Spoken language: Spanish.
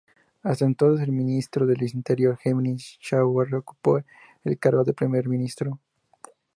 Hasta entonces, el Ministro del Interior Henning Schwarz ocupó el cargo de primer ministro.